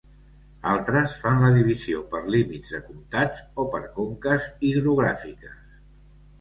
Altres fan la divisió per límits de comtats o per conques hidrogràfiques.